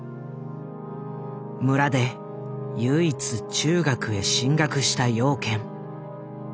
村で唯一中学へ進学した養賢。